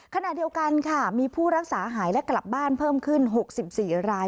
ขณะเดียวกันค่ะมีผู้รักษาหายและกลับบ้านเพิ่มขึ้น๖๔ราย